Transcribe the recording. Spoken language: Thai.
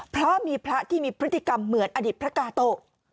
เพราะมีพระที่มีพฤติกรรมเหมือนอดีตพระกาโตะ